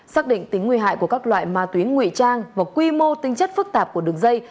xác định tính nguy hại của các loại ma túy nguy trang và quy mô tính chất phức tạp của đường dây